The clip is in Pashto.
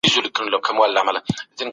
ترڅو خوندي پاتې شئ.